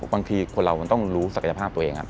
บางทีคนเรามันต้องรู้ศักยภาพตัวเอง